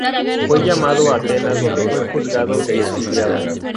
Fue llamado a Atenas donde fue juzgado y exiliado.